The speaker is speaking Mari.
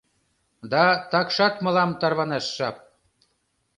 — Да такшат мылам тарванаш жап.